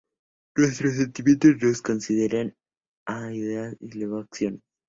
Nuestros sentimientos nos conducirán a ideas y luego a acciones.